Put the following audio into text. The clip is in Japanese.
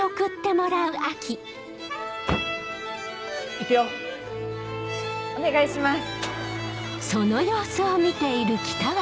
行くよお願いします